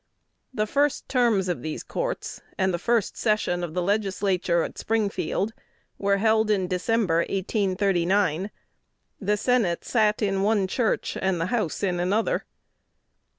The first terms of these courts, and the first session of the Legislature at Springfield, were held in December, 1839. The Senate sat in one church, and the House in another.